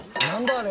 あれ。